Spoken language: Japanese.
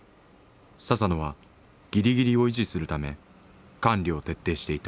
佐々野はギリギリを維持するため管理を徹底していた。